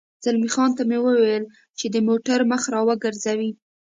زلمی خان ته مې وویل چې د موټر مخ را وګرځوي.